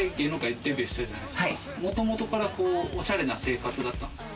もともとからおしゃれな生活だったんですか？